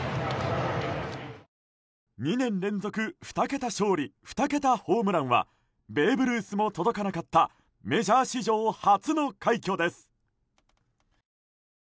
２年連続２桁勝利２桁ホームランはベーブ・ルースも届かなかったメジャー史上初の快挙です。